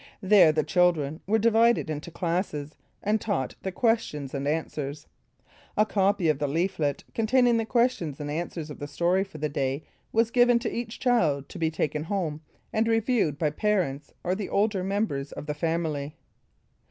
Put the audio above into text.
There the children were divided into classes, and taught the questions and answers. A copy of the leaflet containing the questions and answers of the story for the day was given to each child, to be taken home and reviewed by parents or the older members of the family.